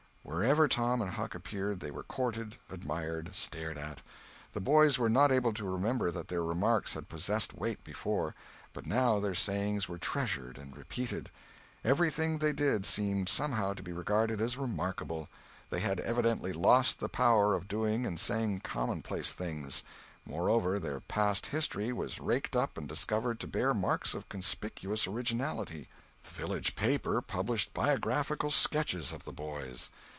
Wherever Tom and Huck appeared they were courted, admired, stared at. The boys were not able to remember that their remarks had possessed weight before; but now their sayings were treasured and repeated; everything they did seemed somehow to be regarded as remarkable; they had evidently lost the power of doing and saying commonplace things; moreover, their past history was raked up and discovered to bear marks of conspicuous originality. The village paper published biographical sketches of the boys.